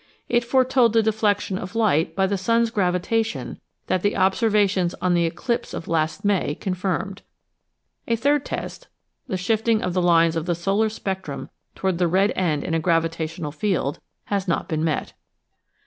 It foretold the deflection of light by the sun's gravitation that the observations on the eclipse of last May confirmed. A third test, the shifting of the lines of the solar spectrum toward the red end in a gravitational field, has not been met.